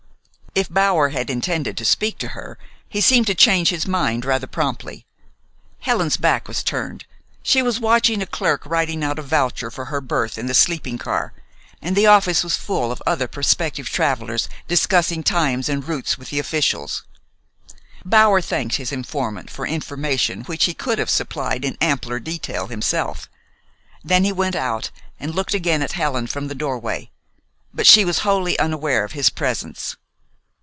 If Bower had intended to speak to her, he seemed to change his mind rather promptly. Helen's back was turned. She was watching a clerk writing out a voucher for her berth in the sleeping car, and the office was full of other prospective travelers discussing times and routes with the officials. Bower thanked his informant for information which he could have supplied in ampler detail himself. Then he went out, and looked again at Helen from the doorway; but she was wholly unaware of his presence.